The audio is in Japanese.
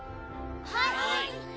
はい。